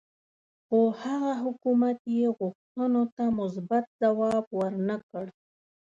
خو هغه حکومت یې غوښتنو ته مثبت ځواب ورنه کړ.